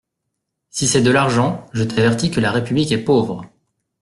Si c'est de l'argent, je t'avertis que la République est pauvre.